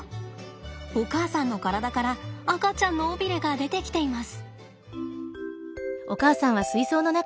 お母さんの体から赤ちゃんの尾ビレが出てきています。